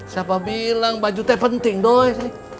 siapa bilang baju teh penting dong